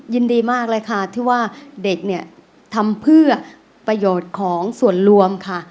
ยินดีมากเลยค่ะที่ว่าเด็กเนี่ยทำเพื่อประโยชน์ของส่วนรวมค่ะ